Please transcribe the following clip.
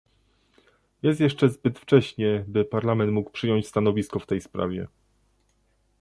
Jest jeszcze zbyt wcześnie, by Parlament mógł przyjąć stanowisko w tej sprawie